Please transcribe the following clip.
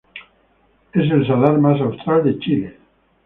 Es el salar más austral de Chile.